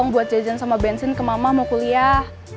buat jajan sama bensin ke mama mau kuliah